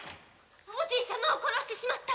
おじい様を殺してしまった！